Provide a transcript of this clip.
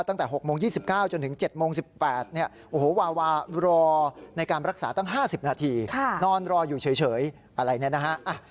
นอนรออยู่เฉยอะไรนะ